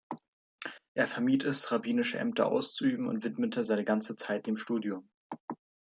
Er vermied es, rabbinische Ämter auszuüben, und widmete seine ganze Zeit dem Studium.